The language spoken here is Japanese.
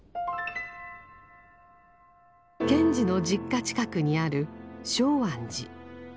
賢治の実家近くにある松庵寺。